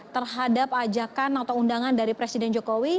terhadap ajakan atau undangan dari presiden jokowi